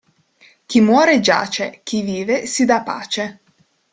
Chi muore giace, chi vive si dà pace.